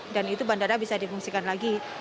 dan itu bandara bisa dipungsikan lagi